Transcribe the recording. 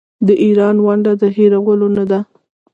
د ایران ونډه د هیرولو نه ده.